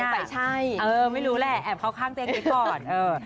ตรงไปใช่เออไม่รู้แหละแอบเข้าข้างเต้นไปก่อนเออ